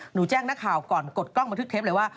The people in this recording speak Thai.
หนูแจ้งนาคาวก่อนกดกล้องมาทึกเทปเลยว่า